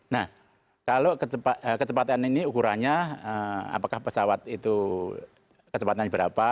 nah kalau kecepatan ini ukurannya apakah pesawat itu kecepatan berapa